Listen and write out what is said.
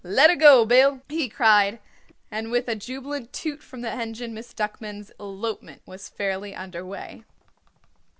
"Let her go, Bill," he cried, and with a jubilant toot from the engine Miss Duckman's elopement was fairly under way.